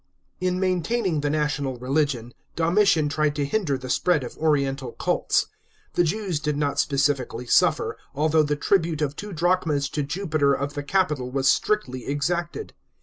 In maintaining the national religion, Domitian tried to hinder the spread of oriental cults. The Jews did not specially suffer,f although the tribute of two drachmas to Jupiter of the Capitol was strictly exacted.